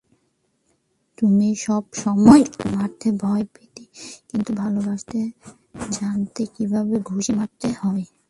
তুই সবসময় ঘুষি মারতে ভয় পেতি, কিন্তু ভালোভাবেই জানতি কীভাবে ঘুষি মারতে হয়।